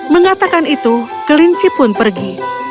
mengatakan itu kelinci pun pergi